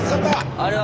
あれは？